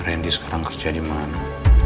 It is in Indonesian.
randy sekarang kerja dimana